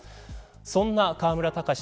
そんな河村たかし